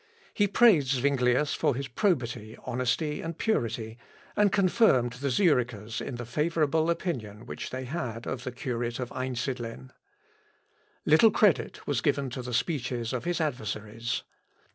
He praised Zuinglius for his probity, honesty, and purity, and confirmed the Zurichers in the favourable opinion which they had of the curate of Einsidlen. Little credit was given to the speeches of his adversaries.